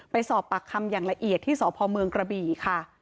ไปสอบปากคำอย่างละเอียดที่สพเมืองกระบี่ค่ะ